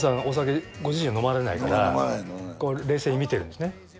お酒ご自身飲まれないから冷静に見てるんですね